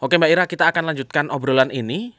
oke mbak ira kita akan lanjutkan obrolan ini